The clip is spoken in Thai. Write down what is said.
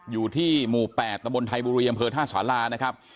อยู่ที่หมู่๘ตมไทยบริเวณบริเวณท่าสารานะครับ